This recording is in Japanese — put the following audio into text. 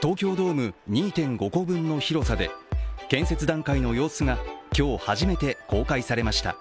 東京ドーム２．５個分の広さで建設段階の様子が今日初めて公開されました。